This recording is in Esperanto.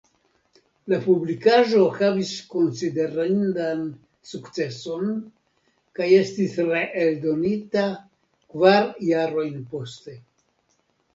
La publikaĵo havis konsiderindan sukceson kaj estis reeldonita kvar jarojn poste.